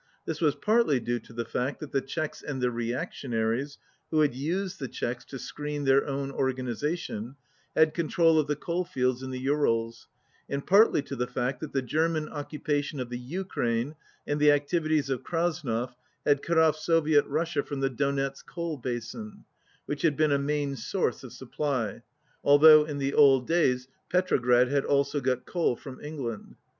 This was partly due to the fact that the Czechs and the Reactionaries, who had used the Czechs to screen their own organization, had control of the coalfields in the Urals, and partly to the fact that the German occupation of the Ukraine and the activities of Krasnov had cut off Soviet Russia from the Donetz coal basin, which had been a main source of sup ply, although in the old days Petrograd had also got coal from England.